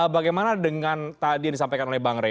bagaimana dengan tadi yang disampaikan oleh bang rey